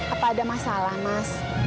apa ada masalah mas